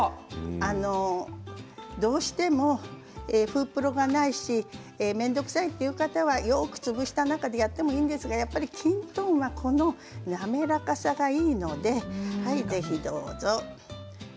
どうしてもフープロはないし面倒くさいという方はよく潰した中でやってもいいんですけれどきんとんはこの滑らかさがいいのでやはり、ぜひどうぞ。